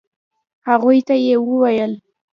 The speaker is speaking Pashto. هغوی ته يې وويل.